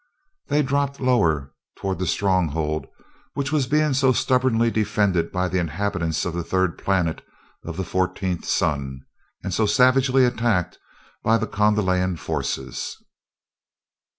They dropped lower, toward the stronghold which was being so stubbornly defended by the inhabitants of the third planet of the fourteenth sun, and so savagely attacked by the Kondalian forces.